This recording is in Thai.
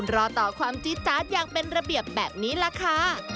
รอต่อความจี๊ดจ๊าดอย่างเป็นระเบียบแบบนี้ล่ะค่ะ